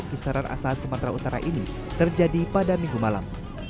kisaran asahan sumatera utara ini terjadi pada minggu malam